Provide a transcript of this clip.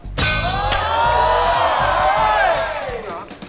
ทุกแล้วครับ